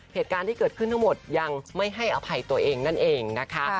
เหตุการณ์ที่เกิดขึ้นทั้งหมดยังไม่ให้อภัยตัวเองนั่นเองนะคะ